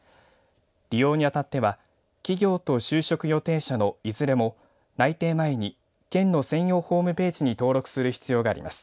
利用に当たっては企業と就職予定者のいずれも内定前に県の専用ホームページに登録する必要があります。